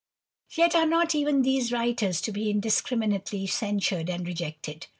Yet are not even these writers to be indiscriminately censured and rejected.